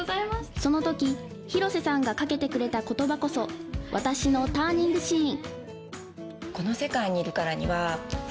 その時広瀬さんが掛けたくれた言葉こそ私のターニングシーン